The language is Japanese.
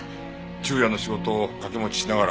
昼夜の仕事を掛け持ちしながら。